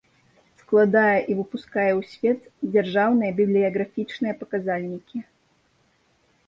Складае i выпускае ў свет дзяржаўныя бiблiяграфiчныя паказальнiкi.